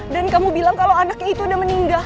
dan kamu bilang kalau anak itu udah meninggal